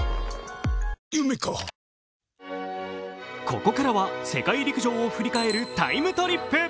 ここからは世界陸上を振り返るタイムトリップ。